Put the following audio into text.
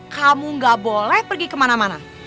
kamu gak boleh pergi kemana mana